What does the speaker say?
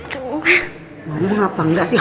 dulu pas aku menunggu siang